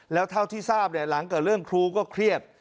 แล้วเท่าที่ทราบหลังเกิดเรื่องครูก็เครียด